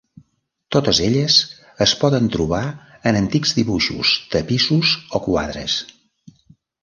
Totes elles es poden trobar en antics dibuixos, tapissos o quadres.